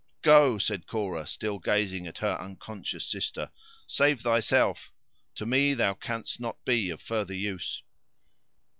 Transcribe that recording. "Go," said Cora, still gazing at her unconscious sister; "save thyself. To me thou canst not be of further use."